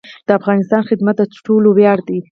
د افغانستان خدمت د ټولو ویاړ دی